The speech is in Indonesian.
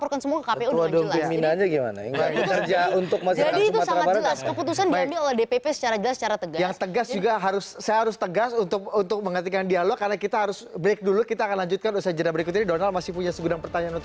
kami melaporkan semua ke kpu